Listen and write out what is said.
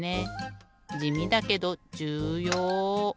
じみだけどじゅうよう！